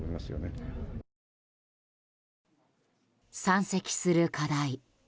山積する課題。